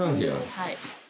はい。